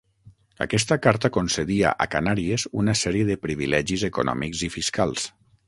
Aquesta Carta concedia a Canàries una sèrie de privilegis econòmics i fiscals.